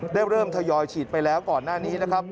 เริ่มทยอยฉีดไปแล้วก่อนหน้านี้นะครับ